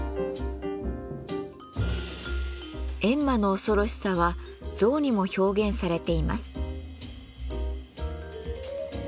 閻魔の恐ろしさは像にも表現されています。